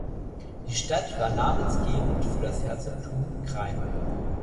Die Stadt war namensgebend für das Herzogtum Krain.